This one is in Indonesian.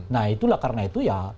nah itulah karena itu ya